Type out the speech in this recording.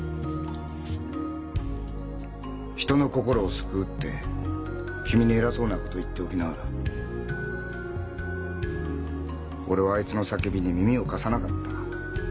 「人の心を救う」って君に偉そうなことを言っておきながら俺はあいつの叫びに耳を貸さなかった。